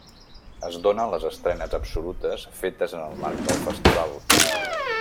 Es donen les estrenes absolutes fetes en el marc del festival.